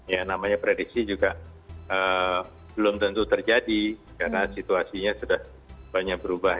ya namanya prediksi juga belum tentu terjadi karena situasinya sudah banyak berubah